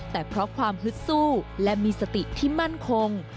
แต่เพราะความฮึดสู้และมีสติที่มั่นคง